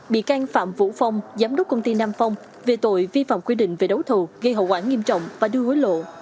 bị can phạm vũ phong giám đốc công ty nam phong về tội vi phạm quy định về đấu thầu gây hậu quả nghiêm trọng và đưa hối lộ